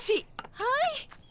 はい。